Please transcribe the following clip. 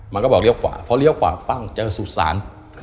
มันก็บอกเลี้ยวขวาเพราะเลี้ยวขวาปั้งเจ้าศูสาร